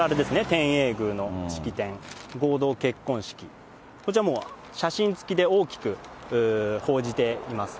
天苑宮の式典、合同結婚式、こちらもう写真つきで大きく報じています。